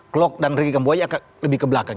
klok dan ricky kamboja akan ke belakang